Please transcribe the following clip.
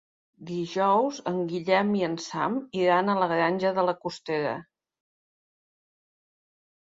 Dijous en Guillem i en Sam iran a la Granja de la Costera.